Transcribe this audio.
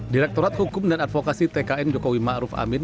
direktorat hukum dan advokasi tkn jokowi maruf amin